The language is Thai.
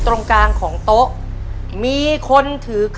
ปีหน้าหนูต้อง๖ขวบให้ได้นะลูก